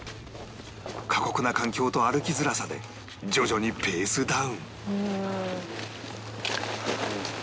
過酷な環境と歩きづらさで徐々にペースダウン